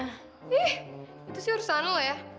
ih itu sih urusan lo ya